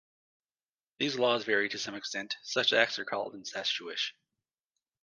These laws vary to some extent; such acts are called incestuous.